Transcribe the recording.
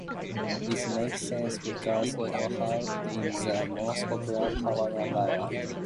This makes sense because Oahu is the most populated Hawaiian Island.